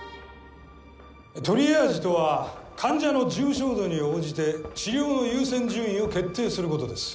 トリアージとは患者の重症度に応じて治療の優先順位を決定することです。